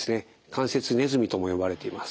関節ネズミとも呼ばれています。